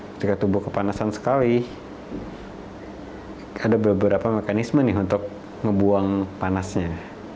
ketika tubuh kepanasan sekali ada beberapa mekanisme nih untuk ngebuang panasnya